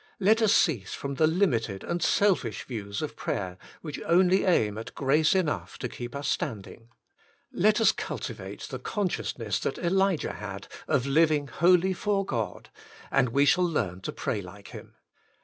Let us cease from the limited and selfish views of prayer, which only aim at grace enough to keep us standing. Let us culti vate the consciousness that Elijah had of living wholly for God, and we shall learn to pray like him.